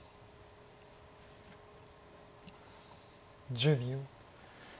１０秒。